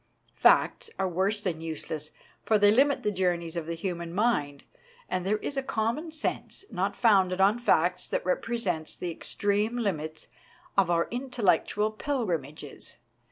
Facts are worse than useless, for they limit the journeys of the human mind ; but there is a common sense not founded on facts that represents the extreme limits of our intel lectual pilgrimages.